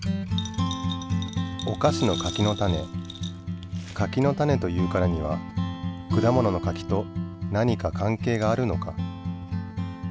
お菓子の柿の種柿の種というからには果物の柿と何か関係があるのか？